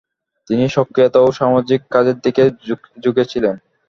তিনি সক্রিয়তা এবং সামাজিক কাজের দিকে ঝুঁকেছিলেন।